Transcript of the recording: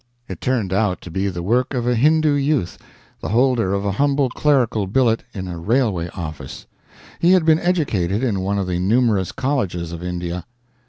It turned out to be the work of a Hindoo youth, the holder of a humble clerical billet in a railway office. He had been educated in one of the numerous colleges of India.